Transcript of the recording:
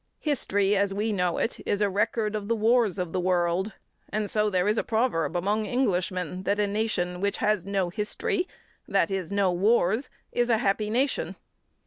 History, as we know it, is a record of the wars of the world, and so there is a proverb among Englishmen that a nation which has no history, that is, no wars, is a happy nation.